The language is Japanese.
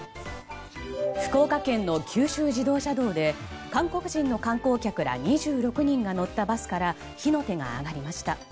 福岡県の九州自動車道で韓国人の観光客ら２６人が乗ったバスから火の手が上がりました。